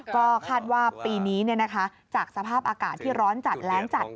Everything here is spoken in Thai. ก็คาดว่าปีนี้จากสภาพอากาศที่ร้อนจัดแรงจัด